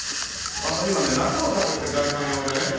今ね夏を探してる代官山でね。